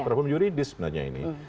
problem juridis sebenarnya ini